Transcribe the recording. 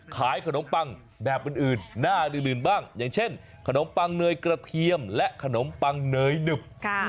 ขายขนมปังแบบอื่นหน้าอื่นบ้างอย่างเช่นขนมปังเนยกระเทียมและขนมปังเนยหนึบ